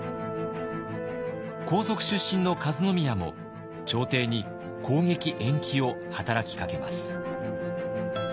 皇族出身の和宮も朝廷に攻撃延期を働きかけます。